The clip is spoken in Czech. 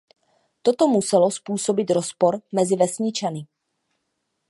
Toto muselo způsobit rozpor mezi vesničany.